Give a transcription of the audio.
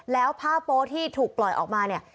แล้วผ้าโป๊ที่ถูกปล่อยออกมาเนี่ย